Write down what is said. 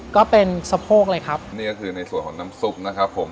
ก็เป็นสะโพกเลยครับนี่ก็คือในส่วนของน้ำซุปนะครับผม